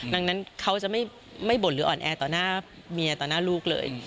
ดังนั้นเขาจะไม่บ่นหรืออ่อนแอต่อหน้าเมียต่อหน้าลูกเลย